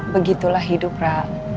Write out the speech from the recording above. begitulah hidup ra